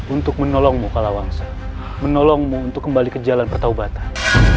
untuk menolongmu kalahansa menolongmu untuk kembali ke jalan pertahubatan